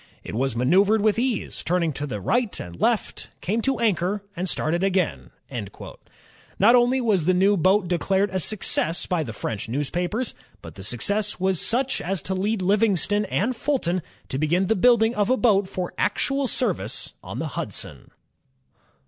... It was maneuvered with ease, turning to the right and left, came to anchor and started again.'' Not only was the new boat declared a success by the French newspapers, but the success was such as to lead Livingston and Fulton to begin the build ing of a boat for actual service on the Hudson.